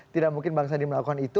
tidak mungkin bang sandi melakukan itu